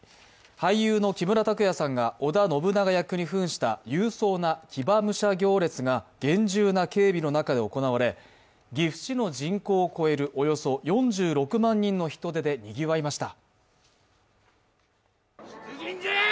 俳優の木村拓也さんが織田信長役に扮した勇壮な騎馬武者行列が厳重な警備の中で行われ、岐阜市の人口を超えるおよそ４６万人の人出でにぎわいました。